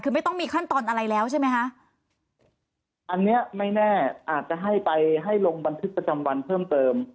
คือไม่ต้องมีขั้นตอนอะไรแล้วใช่ไหมคะอันเนี้ยไม่แน่อาจจะให้ไปให้ลงบันทึกประจำวันเพิ่มเติม